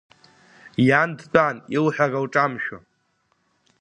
Иан дтәан илҳәара лҿамшәо.